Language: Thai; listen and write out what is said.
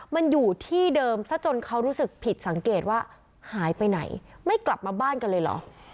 มันอยู่ที่เดิมซะจนเขารู้สึกผิดสังเกตว่าหายไปไหนไม่กลับมาบ้านกันเลยเหรอ